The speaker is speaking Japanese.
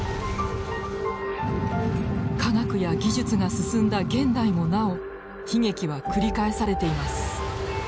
科学や技術が進んだ現代もなお悲劇は繰り返されています。